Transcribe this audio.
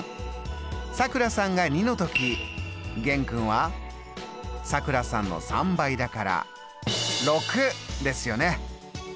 さくらさんが２の時玄君はさくらさんの３倍だから６ですよね。